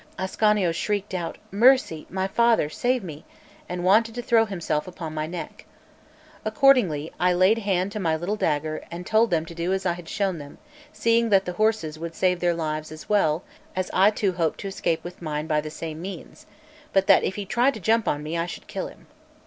Ascanio shrieked out: "Mercy, my father; save me," and wanted to throw himself upon my neck. Accordingly, I laid hand to my little dagger, and told them to do as I had shown them, seeing that the horses would save their lives as well as I too hoped to escape with mine by the same means; but that if he tried to jump on me, I should kill him.